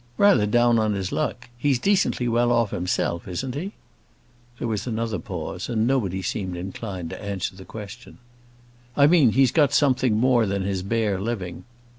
"Rather down on his luck. He's decently well off himself, isn't he?" There was another pause, and nobody seemed inclined to answer the question. "I mean, he's got something more than his bare living."